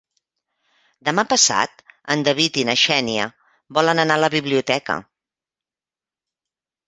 Demà passat en David i na Xènia volen anar a la biblioteca.